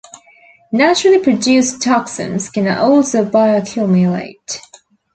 Naturally produced toxins can also bioaccumulate.